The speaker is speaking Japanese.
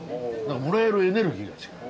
もらえるエネルギーが違う。